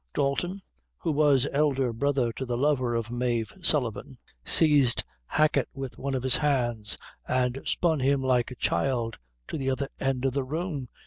Dalton, who was elder brother to the lover of Mave Sullivan, seized Hacket with one of his hands, and spun him like a child to the other end of the room.